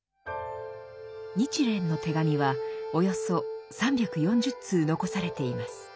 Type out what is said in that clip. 「日蓮の手紙」はおよそ３４０通残されています。